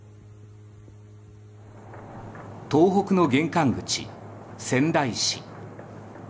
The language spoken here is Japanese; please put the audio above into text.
東北の玄関口・仙台市。